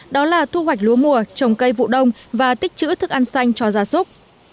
đó là thu hoạch lúa mùa trồng cây vụ đông và tích chữ thức ăn xanh cho gia súc